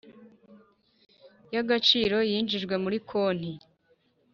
Y agaciro yinjijwe muri konti